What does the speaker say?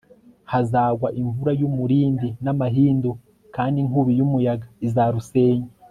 Hazagwa imvura y umurindi n amahindu kandi inkubi y umuyaga izarusenya